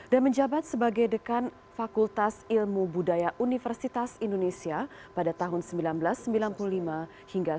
dan menjabat sebagai dekan fakultas ilmu budaya universitas indonesia pada tahun seribu sembilan ratus sembilan puluh lima hingga seribu sembilan ratus sembilan puluh sembilan